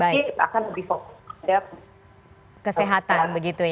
ini akan lebih fokus terhadap kesehatan